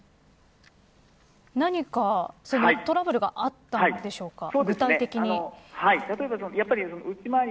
何かトラブルがあったんでしょうか、具体的に。